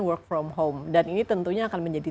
work from home dan ini tentunya akan menjadi